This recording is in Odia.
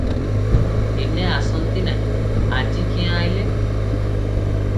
ଦିନେ ଆସନ୍ତି ନାହିଁ, ଆଜି କ୍ୟାଁ ଅଇଲେ ।